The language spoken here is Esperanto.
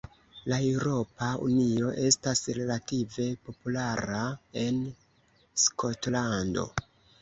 La Eŭropa Unio estas relative populara en Skotlando.